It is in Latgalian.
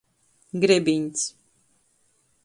Grebiņs.